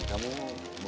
kamu mau nyuruh